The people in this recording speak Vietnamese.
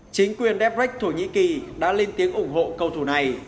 chính quyền deprecht thổ nhĩ kỳ đã lên tiếng ủng hộ cầu thủ này